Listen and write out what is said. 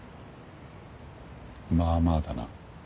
まあまあだな。